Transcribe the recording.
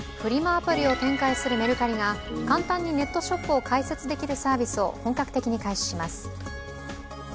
アプリを展開するメルカリが簡単にネットショップを開設できるサービスを本格的に開始します。